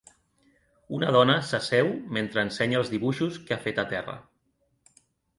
Una dona s'asseu mentre ensenya els dibuixos que ha fet a terra.